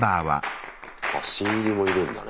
新入りもいるんだね。